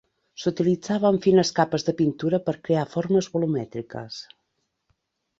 S'utilitzaven fines capes de pintura per crear formes volumètriques.